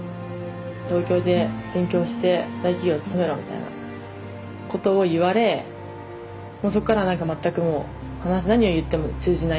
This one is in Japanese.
東京で勉強して大企業に勤めろみたいなことを言われもうそっから何か全くもう何を言っても通じない。